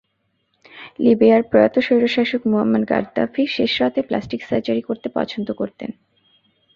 লিবিয়ার প্রয়াত স্বৈরশাসক Muammar Gaddafi শেষ রাতে প্লাস্টিক সার্জারি করতে পছন্দ করতেন।